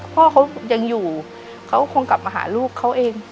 พ่อเขายังอยู่เขาคงกลับมาหาลูกเขาเอง